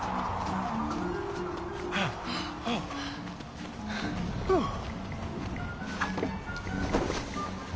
はあはあはあふう。